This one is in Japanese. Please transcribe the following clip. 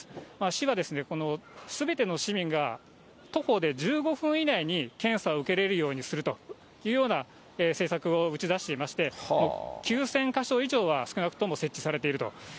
市は、すべての市民が、徒歩で１５分以内に検査を受けれるようにするというような政策を打ち出していまして、９０００か所以上は少なくとも設置されていると。